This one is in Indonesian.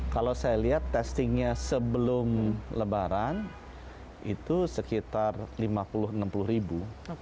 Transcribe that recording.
kalau saya lihat testingnya sebelum lebaran itu sekitar lima puluh enam puluh ribu